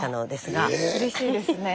これうれしいですね。